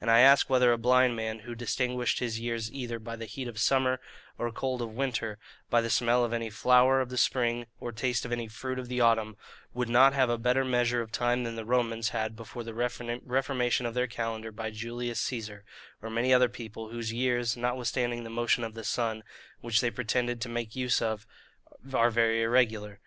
And I ask whether a blind man, who distinguished his years either by the heat of summer, or cold of winter; by the smell of any flower of the spring, or taste of any fruit of the autumn, would not have a better measure of time than the Romans had before the reformation of their calendar by Julius Caesar, or many other people, whose years, notwithstanding the motion of the sun, which they pretended to make use of, are very irregular?